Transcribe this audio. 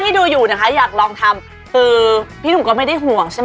ที่ดูอยู่นะคะอยากลองทำคือพี่หนุ่มก็ไม่ได้ห่วงใช่ไหม